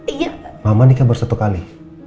iya mama nikah baru satu kali